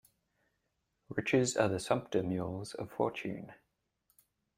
Riches are the sumpter mules of fortune.